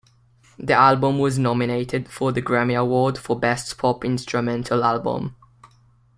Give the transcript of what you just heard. The album was nominated for the Grammy Award for Best Pop Instrumental Album.